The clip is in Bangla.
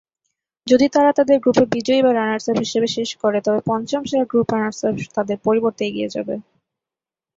যদি তারা তাদের গ্রুপে বিজয়ী বা রানার্সআপ হিসাবে শেষ করে তবে পঞ্চম সেরা গ্রুপ রানার্সআপ তাদের পরিবর্তে এগিয়ে যাবে।